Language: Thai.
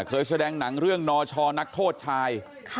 เคยแสดงหนังเรื่องนชนักโทษชาย